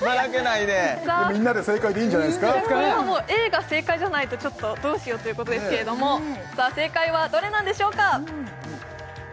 Ａが正解じゃないとどうしようということですけれどもさあ正解はどれなんでしょうか？